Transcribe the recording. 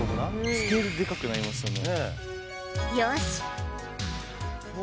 スケールでかくなりましたね。